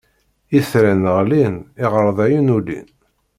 Itran ɣlin, iɣerdayen ulin.